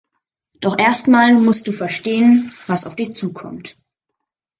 Doch erstmal muss du verstehen, was auf dich zukommt!